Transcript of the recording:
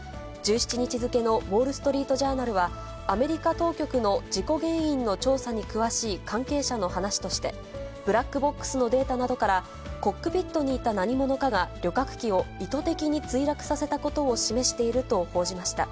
１７日付のウォール・ストリート・ジャーナルは、アメリカ当局の事故原因の調査に詳しい関係者の話として、ブラックボックスのデータなどから、コックピットにいた何者かが旅客機を意図的に墜落させたことを示していると報じました。